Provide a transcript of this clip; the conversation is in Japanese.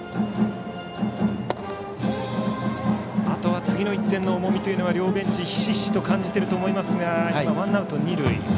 あとは次の１点の重みは両ベンチ、ひしひしと感じているとは思いますが今、ワンアウト二塁。